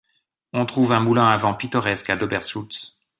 On trouve un moulin à vent pittoresque à Doberschütz.